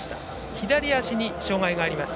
左足に障がいがあります。